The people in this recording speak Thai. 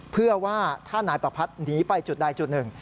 เพื่อว่าถ้านายประพัทธ์หนีไปจุดใดจุดหนึ่ง